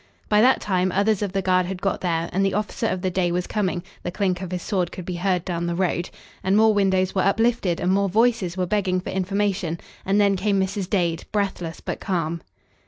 By that time others of the guard had got there and the officer of the day was coming, the clink of his sword could be heard down the road, and more windows were uplifted and more voices were begging for information, and then came Mrs. Dade, breathless but calm.